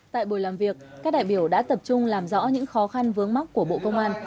tại buổi làm việc các đại biểu đã tập trung làm rõ những khó khăn vướng mắt của bộ công an